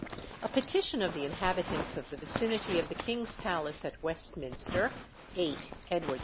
A petition of the inhabitants of the vicinity of the King's Palace at Westminster (8 Edward II.)